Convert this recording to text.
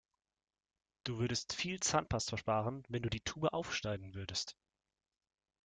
Du würdest viel Zahnpasta sparen, wenn du die Tube aufschneiden würdest.